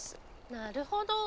・なるほど！